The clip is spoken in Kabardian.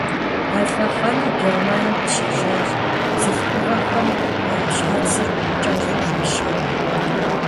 А лъэхъэнэм Германием къыщежьащ бзылъхугъэхэм я щхьэцыр кӀэщӀу щӀэщэныр.